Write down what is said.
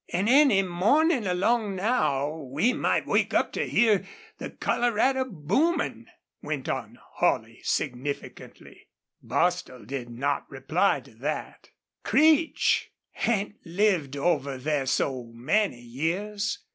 "An' any mornin' along now we might wake up to hear the Colorado boomin'," went on Holley, significantly. Bostil did not reply to that. "Creech hain't lived over there so many years.